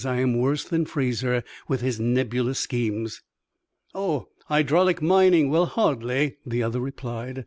I am worse than Fraser with his nebulous schemes!" "Oh, hydraulic mining? Well, hardly!" the other replied.